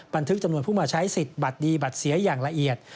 บันทึกจำนวนผู้มาใช้สิทธิ์บัตรดีบัตรเสียอย่างละเอียด